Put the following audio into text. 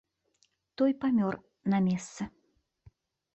Той памер на месцы.